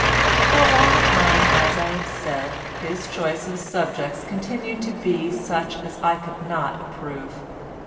For a long time, as I have said, his choice of subjects continued to be such as I could not approve.